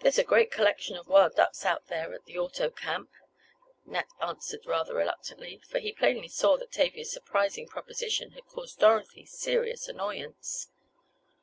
"There's a great collection of wild ducks out there at the auto camp," Nat answered rather reluctantly, for he plainly saw that Tavia's surprising proposition had caused Dorothy serious annoyance.